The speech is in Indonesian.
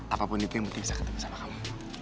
apapun itu yang penting bisa ketemu sama kami